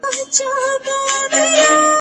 خو چي لوی سي تل د ده په ځان بلاوي !.